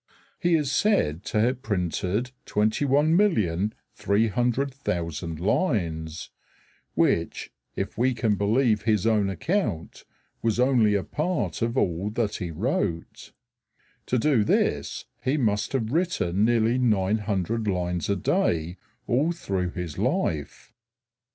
He is said to have printed 21,300,000 lines, which, if we can believe his own account, was only a part of all that he wrote. To do this he must have written nearly nine hundred lines a day all through his life.